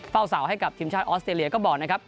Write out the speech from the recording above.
เฝ้าเสาให้กับทีมชาติออสเตรเลียก็บอกนะครับ